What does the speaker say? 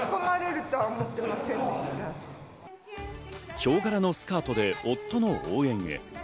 ヒョウ柄のスカートで夫の応援へ。